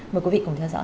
mời quý vị cùng theo dõi